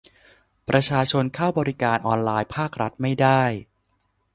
ประชาชนเข้าบริการออนไลน์ภาครัฐไม่ได้